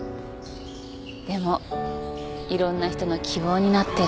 でもいろんな人の希望になってる。